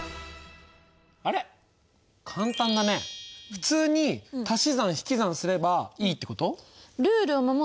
普通に足し算引き算すればいいってこと？